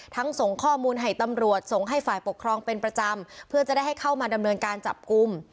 ส่งข้อมูลให้ตำรวจส่งให้ฝ่ายปกครองเป็นประจำเพื่อจะได้ให้เข้ามาดำเนินการจับกลุ่ม